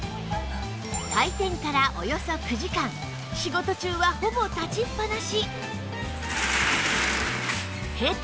開店からおよそ９時間仕事中はほぼ立ちっぱなし